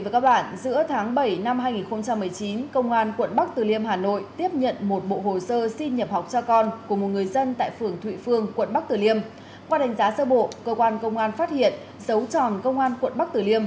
các bạn hãy đăng ký kênh để ủng hộ kênh của chúng mình nhé